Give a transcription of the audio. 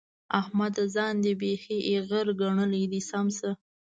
احمده! ځان دې بېخي ايغر ګڼلی دی؛ سم شه.